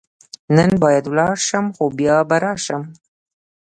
نن باید ولاړ شم، خو بیا به راشم.